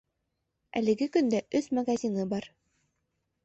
Әлеге көндә өс магазины бар.